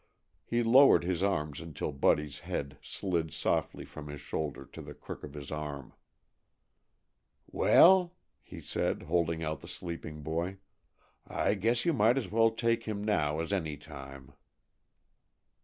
He lowered his arms until Buddy's head slid softly from his shoulder to the crook of his arm. "Well," he said, holding out the sleeping boy, "I guess you might as well take him now as any time."